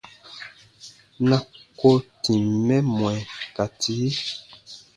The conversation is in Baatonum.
Na ko tìm mɛ mwɛ ka tii.